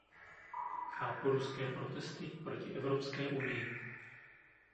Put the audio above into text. Chápu ruské protesty proti Evropské unii.